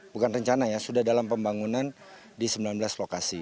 bukan rencana ya sudah dalam pembangunan di sembilan belas lokasi